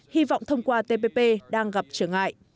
hy vọng thông qua tpp đang gặp trở ngại